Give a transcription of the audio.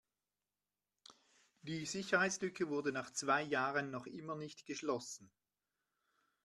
Die Sicherheitslücke wurde nach zwei Jahren noch immer nicht geschlossen.